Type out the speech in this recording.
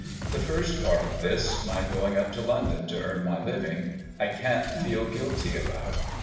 The first part of this, my going up to London to earn my living, I can't feel guilty about.